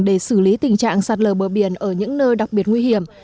để xử lý tình trạng sạc lở bờ biển ở những nơi đặc biệt nguy hiểm